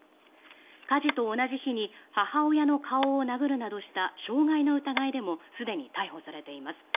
火事と同じ日に母親の顔を殴るなどした傷害の疑いでもすでに逮捕されています。